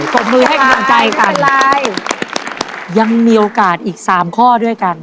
ปลดมือให้ขอบคุณก่อนใจกันยังมีโอกาสอีก๓ข้อด้วยกัน